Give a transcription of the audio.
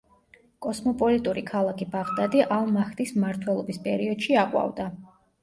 კოსმოპოლიტური ქალაქი ბაღდადი ალ-მაჰდის მმართველობის პერიოდში აყვავდა.